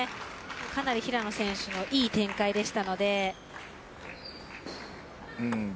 かなり平野選手いい展開でしたので。